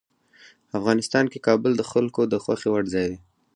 افغانستان کې کابل د خلکو د خوښې وړ ځای دی.